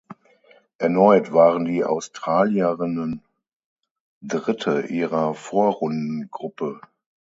Erneut waren die Australierinnen Dritte ihrer Vorrundengruppe.